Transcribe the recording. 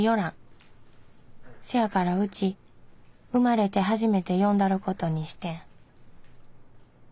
せやからうち生まれて初めて呼んだることにしてん。